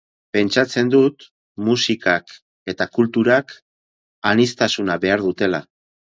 Pentsatzen dut musikak eta kulturak aniztasuna behar dutela.